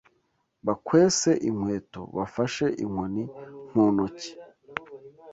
bakwese inkweto, bafashe inkoni mu ntoki,